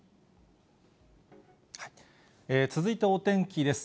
続いてお天気です。